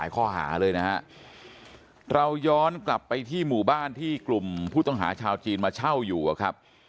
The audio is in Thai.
เขาออกไม้แดงแล้วก็ส่งให้ดำเนินการต่อไป